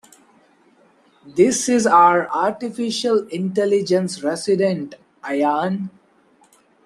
This is our Artificial Intelligence Resident, Ayaan.